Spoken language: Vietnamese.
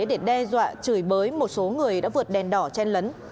để đe dọa chửi bới một số người đã vượt đèn đỏ chen lấn